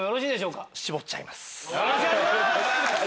よろしくお願いします！